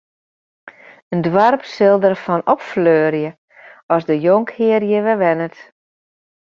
It doarp sil derfan opfleurje as de jonkhear hjir wer wennet.